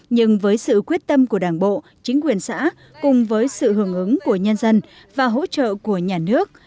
nhưng với sự quyết tâm của đảng bộ chính quyền xã cùng với sự hưởng ứng của nhân dân và hỗ trợ của nhà nước